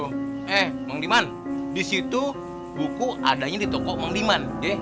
hei bang niman di situ buku adanya di toko bang niman